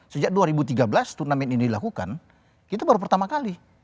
sejak dua ribu tiga belas turnamen ini dilakukan itu baru pertama kali